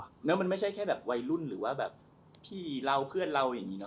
แล้วมันไม่ใช่แค่แบบวัยรุ่นหรือว่าแบบพี่เราเพื่อนเราอย่างนี้เน